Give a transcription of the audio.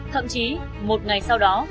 thậm chí một ngày sau đó